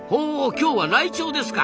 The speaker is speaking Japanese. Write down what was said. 今日はライチョウですか。